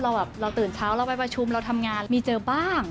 แบบเราตื่นเช้าเราไปประชุมเราทำงานมีเจอบ้าง